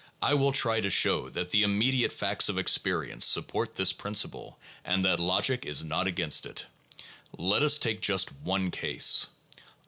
I will try to show that the immediate facts of experience support this principle, and that logic is not against it. Let us take just one case.